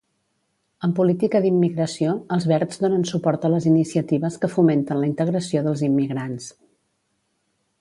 En política d'immigració, els verds donen suport a les iniciatives que fomenten la integració dels immigrants.